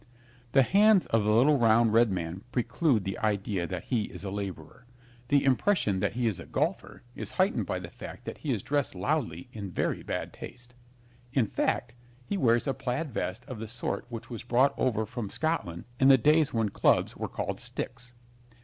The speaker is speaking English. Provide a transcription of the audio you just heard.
The hands of the little, round, red man preclude the idea that he is a laborer. The impression that he is a golfer is heightened by the fact that he is dressed loudly in very bad taste. In fact, he wears a plaid vest of the sort which was brought over from Scotland in the days when clubs were called sticks.